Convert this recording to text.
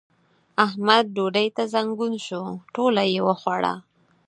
احمد ډوډۍ ته زنګون شو؛ ټوله يې وخوړله.